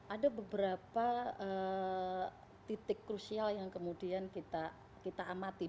ada beberapa titik krusial yang kemudian kita amati